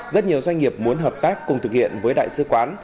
rất nhiều doanh nghiệp muốn hợp tác cùng thực hiện với đại sứ quán